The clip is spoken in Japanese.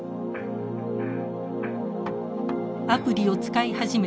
アプリを使い始めて３年。